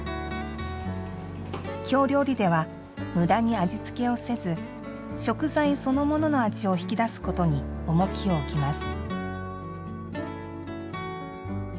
京料理では、むだに味付けをせず食材そのものの味を引き出すことに重きを置きます。